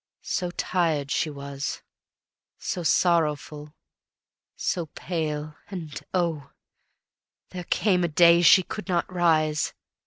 So tired she was, so sorrowful, so pale, And oh, there came a day she could not rise.